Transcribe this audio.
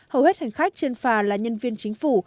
hầu hết hành khách trên phà là nhân viên chính phủ